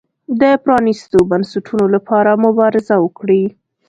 د پرانیستو بنسټونو لپاره مبارزه وکړي.